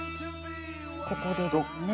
ここでですね。